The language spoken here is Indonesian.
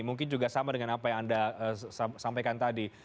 mungkin juga sama dengan apa yang anda sampaikan tadi